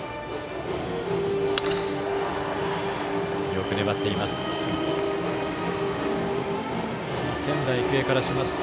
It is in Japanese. よく粘っています。